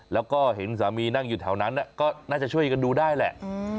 แล้วก็เห็นสามีนั่งอยู่แถวนั้นก็น่าจะช่วยกันดูได้แหละ